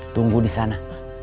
tunggu di sana